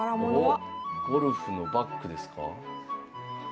おっゴルフのバッグですか？